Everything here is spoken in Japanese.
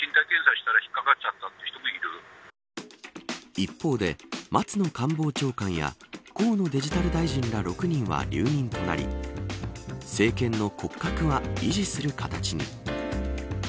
一方で松野官房長官や河野デジタル担当大臣ら６人は留任となり政権の骨格は維持する形に。